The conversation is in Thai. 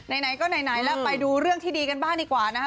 ไหนก็ไหนแล้วไปดูเรื่องที่ดีกันบ้างดีกว่านะคะ